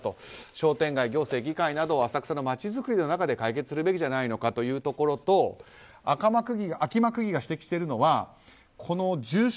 商店街、行政、議会など浅草の街づくりの中で解決するべきじゃないのかというところと秋間区議が指摘しているのは住所